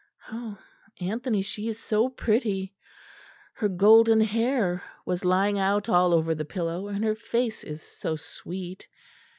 Oh, Anthony, she is so pretty! her golden hair was lying out all over the pillow, and her face is so sweet.